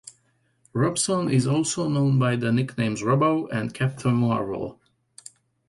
Robson is also known by the nicknames "Robbo" and "Captain Marvel".